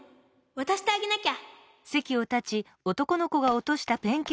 わたしてあげなきゃ！